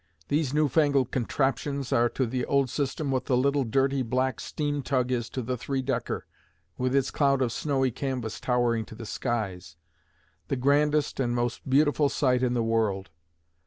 These new fangled "contraptions" are to the old system what the little, dirty, black steam tug is to the three decker, with its cloud of snowy canvas towering to the skies the grandest and most beautiful sight in the world.